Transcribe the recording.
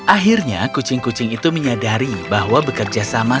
akhirnya kucing kucing itu menyadari bahwa bekerja sama